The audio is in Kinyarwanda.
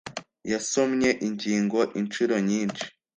Yasomye ingingo inshuro nyinshi.